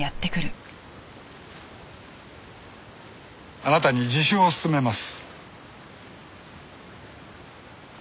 あなたに自首を勧めます。